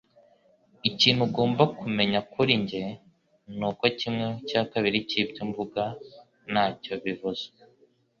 Ikintu ugomba kumenya kuri njye nuko kimwe cya kabiri cyibyo mvuga ntacyo bivuze.